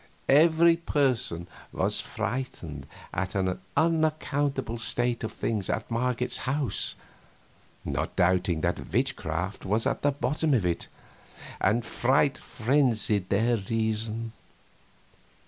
Every person was frightened at the unaccountable state of things at Marget's house, not doubting that witchcraft was at the bottom of it, and fright frenzied their reason.